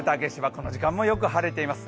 この時間もよく晴れています。